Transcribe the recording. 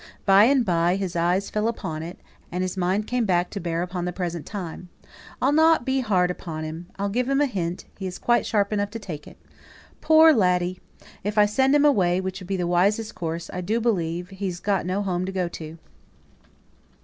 By and by his eyes fell upon it again, and his mind came back to bear upon the present time. "I'll not be hard upon him. I'll give him a hint; he's quite sharp enough to take it. Poor laddie! if I send him away, which would be the wisest course, I do believe he's got no home to go to."